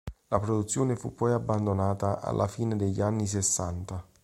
La produzione fu poi abbandonata alla fine degli anni sessanta.